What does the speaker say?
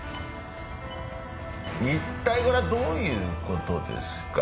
一体これはどういう事ですか？